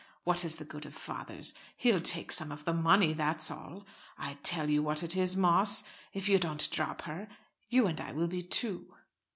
What is the good of fathers? He'll take some of the money, that's all. I'll tell you what it is, Moss, if you don't drop her you and I will be two."